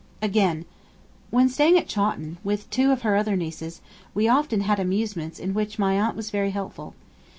Again: 'When staying at Chawton, with two of her other nieces, we often had amusements in which my aunt was very helpful.